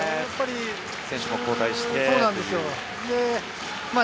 選手も交代して。